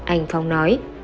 anh phong nói